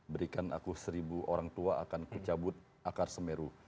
berikan aku seribu orang tua akan ku cabut akar semeru